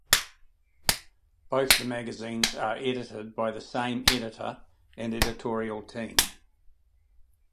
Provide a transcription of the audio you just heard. Both the magazines are edited by the same editor and editorial team.